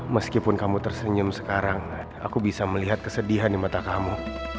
meskipun kamu tersenyum sekarang aku bisa melihat kesedihan di mata kamu